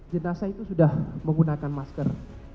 jenazah itu sudah menggunakan masker